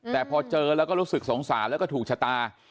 แต่พอเจอแล้วก็รู้สึกสงสารแล้วก็ถูกชะตา